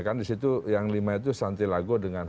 kan disitu yang lima itu santilago dengan